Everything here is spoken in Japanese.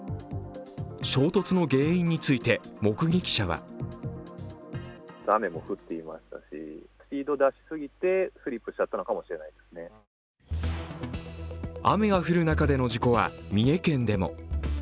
衝突の原因について目撃者は雨が降る中での事故は三重県でも。